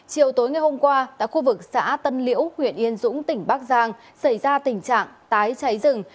chiều tối ngày hôm qua tại khu vực xã tân liễu huyện yên dũng tỉnh bắc giang xảy ra tình trạng tái cháy rừng